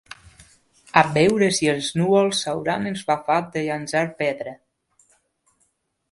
A veure si els núvols s'hauran esbafat de llançar pedra.